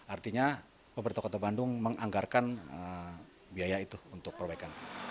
artinya pemerintah kota bandung menganggarkan biaya itu untuk perbaikan